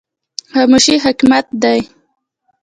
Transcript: خاموشي حکمت دی